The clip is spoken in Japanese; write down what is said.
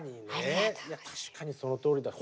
確かにそのとおりだ。